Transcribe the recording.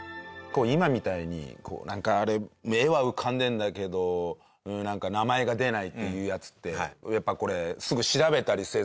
今みたいになんかあれ画は浮かんでるんだけどなんか名前が出ないっていうやつってやっぱこれ。